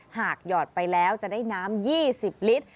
หยอดไปแล้วจะได้น้ำ๒๐ลิตร